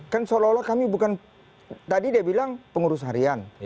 kan seolah olah kami bukan tadi dia bilang pengurus harian